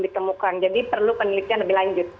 ditemukan jadi perlu penelitian lebih lanjut